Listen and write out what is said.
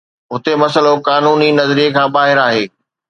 هتي مسئلو قانوني نظريي کان ٻاهر آهي